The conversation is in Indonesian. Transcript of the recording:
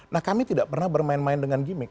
nah kami tidak pernah bermain main dengan gimmick